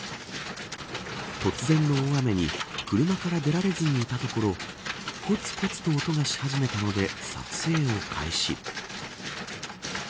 突然の大雨に車から出られずにいたところコツコツと音がし始めたので撮影を開始。